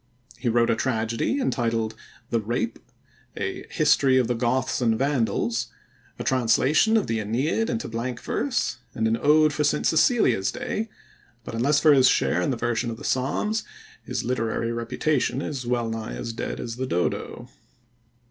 He wrote a tragedy entitled The Rape, a History of the Goths and Vandals, a translation of the Aeneid into blank verse, and an Ode for St. Cecilia's Day; but, unless for his share in the version of the Psalms, his literary reputation is well nigh as dead as the dodo.